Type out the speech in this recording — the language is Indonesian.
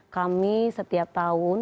kami setiap tahun